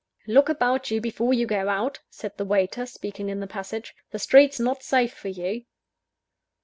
"Look about you before you go out," said the waiter, speaking in the passage; "the street's not safe for you."